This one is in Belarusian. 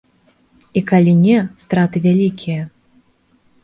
І калі не, страты вялікія.